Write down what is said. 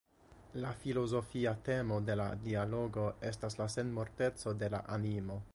La filozofia temo de la dialogo estas la senmorteco de la animo.